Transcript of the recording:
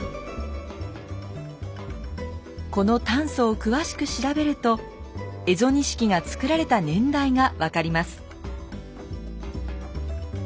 この炭素を詳しく調べると蝦夷錦が作られた年代が分かります。